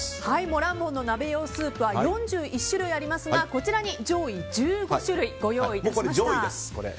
モランボンの鍋用スープは４１種類ありますがこちらに上位１５種類ご用意いたしました。